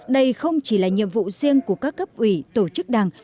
đây không chỉ là nhiệm vụ riêng của các cấp ủy tổ chức đảng